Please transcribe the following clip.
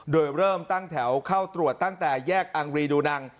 โดยเริ่มตั้งแถวเข้าตรวจตั้งแต่แยกอังรีดูนัง